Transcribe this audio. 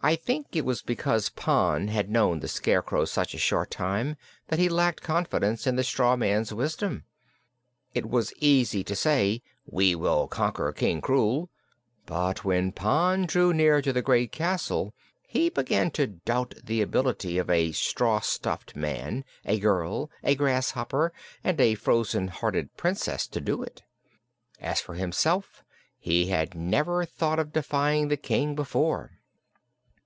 I think it was because Pon had known the Scarecrow such a short time that he lacked confidence in the straw man's wisdom. It was easy to say: "We will conquer King Krewl," but when Pon drew near to the great castle he began to doubt the ability of a straw stuffed man, a girl, a grasshopper and a frozen hearted Princess to do it. As for himself, he had never thought of defying the King before.